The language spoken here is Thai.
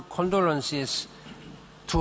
คุณพระเจ้า